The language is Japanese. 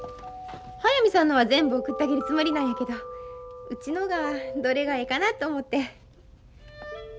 速水さんのは全部送ってあげるつもりなんやけどうちのがどれがええかなと思うて。